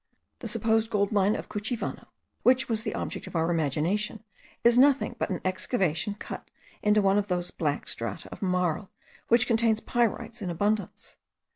The supposed gold mine of Cuchivano, which was the object of our examination, is nothing but an excavation cut into one of those black strata of marl, which contain pyrites in abundance.